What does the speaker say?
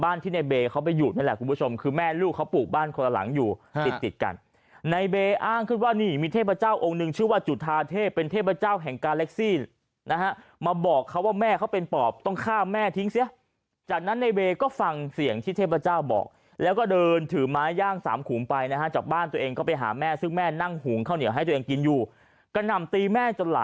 บ้านที่ในเบเขาไปอยู่นั่นแหละคุณผู้ชมคือแม่ลูกเขาปลูกบ้านคนหลังอยู่ติดติดกันในเบอ้างขึ้นว่านี่มีเทพเจ้าองค์นึงชื่อว่าจุธาเทพเป็นเทพเจ้าแห่งกาเล็กซี่นะฮะมาบอกเขาว่าแม่เขาเป็นปอบต้องฆ่าแม่ทิ้งเสียจากนั้นในเบก็ฟังเสียงที่เทพเจ้าบอกแล้วก็เดินถือไม้ย่างสามขุมไปนะฮะจ